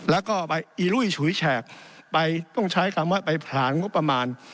แล้วก็ไปอีลุยฉุยแฉกไปต้องใช้คำว่าไปผลานงบประมาณ